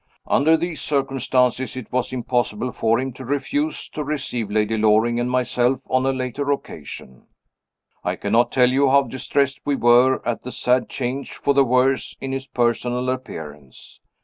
Under these circumstances it was impossible for him to refuse to receive Lady Loring and myself on a later occasion. I cannot tell you how distressed we were at the sad change for the worse in his personal appearance.